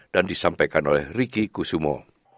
dan disampaikan oleh riki kusumo